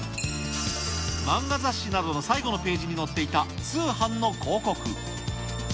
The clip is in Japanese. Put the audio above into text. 漫画雑誌などの最後のページに載っていた通販の広告。